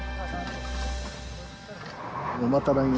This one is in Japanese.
また来年。